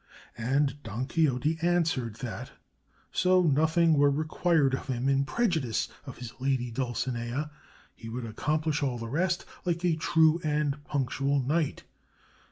And Don Quixote answered that, so nothing were required of him in prejudice of his Lady Dulcinea, he would accomplish all the rest, like a true and punctual knight."